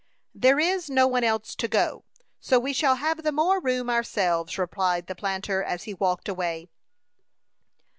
"There is no one else to go. So we shall have the more room ourselves," replied the planter, as he walked away.